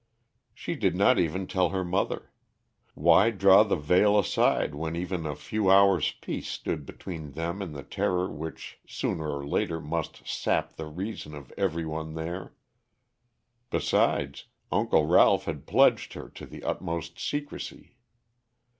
She did not even tell her mother. Why draw the veil aside when even a few hours' peace stood between them and the terror which sooner or later must sap the reason of every one there? Besides, Uncle Ralph had pledged her to the utmost secrecy.